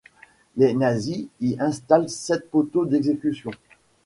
Les nazis y installent sept poteaux d'exécution.